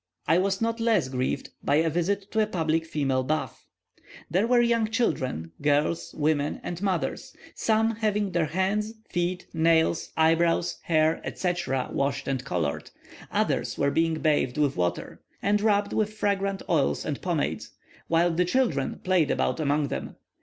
I was not less grieved by a visit to a public female bath. There were young children, girls, women, and mothers; some having their hands, feet, nails, eyebrows, hair, etc., washed and coloured: others were being bathed with water, or rubbed with fragrant oils and pomades, while the children played about among them.